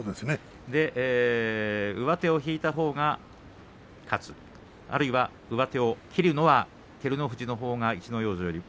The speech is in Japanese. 上手を引いたほうが勝つあるいは上手を切るのは照ノ富士のほうが逸ノ城よりも